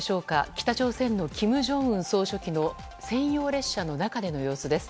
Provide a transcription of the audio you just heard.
北朝鮮の金正恩総書記の専用列車の中での様子です。